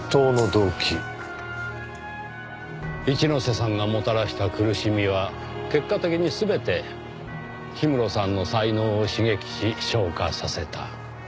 一之瀬さんがもたらした苦しみは結果的に全て氷室さんの才能を刺激し昇華させた。